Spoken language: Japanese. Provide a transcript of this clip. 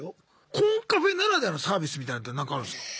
コンカフェならではのサービスみたいのってなんかあるんすか？